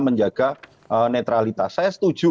menjaga netralitas saya setuju